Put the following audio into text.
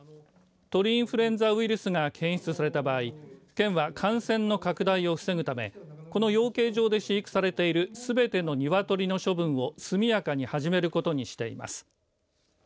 鳥インフルエンザウイルスが検出された場合県は感染の拡大を防ぐためこの養鶏場で飼育されているすべてのニワトリの処分を速やかに始めることにしています。